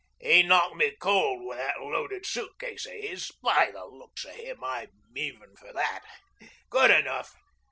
He knocked me cold with that loaded suitcase of his. By the looks of him I'm even for that. Good enough.